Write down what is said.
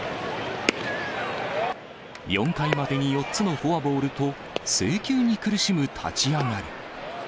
４回までに４つのフォアボールと、制球に苦しむ立ち上がり。